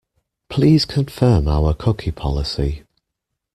Please confirm our cookie policy.